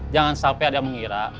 jangan sampe ada mengira